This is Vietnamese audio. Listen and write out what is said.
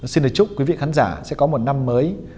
xin lời chúc quý vị khán giả sẽ có một năm mới